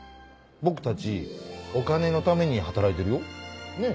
僕たちお金のために働いてるよ？ねぇ？